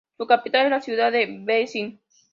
Su capital es la ciudad de Děčín.